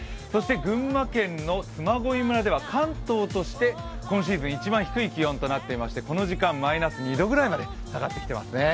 群馬県の嬬恋村では関東として今シーズン一番、低い気温となっていましてこの時間、マイナス２度ぐらいまで下がってきていますね。